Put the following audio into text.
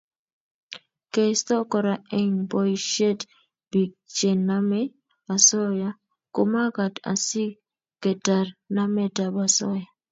Keisto Kora eng boisiet bik chenomei osoya komagat asiketar nametab osoya